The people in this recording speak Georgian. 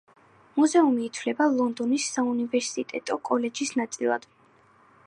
მუზეუმი ითვლება ლონდონის საუნივერსიტეტო კოლეჯის ნაწილად.